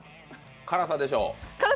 辛さでしょう。